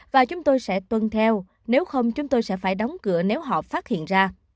và chúng tôi sẽ tuân theo nếu không chúng tôi sẽ phải đóng cửa nếu họ phát hiện ra